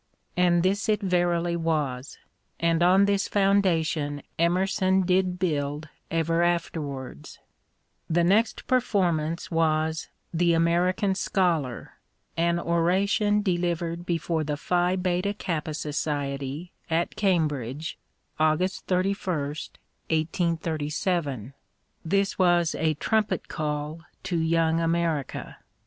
And this it verily was, and on this foundation Emerson did build ever afterwards. The next perform ance was " The American Scholar," an oration delivered before the Phi Beta Kappa Society, at Cambridge, August 31, 1837. This was a trum pet call to young America.